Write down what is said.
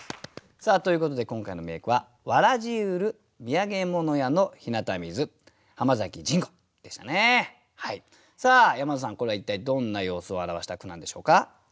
さあということで今回の名句は山田さんこれは一体どんな様子を表した句なんでしょうか？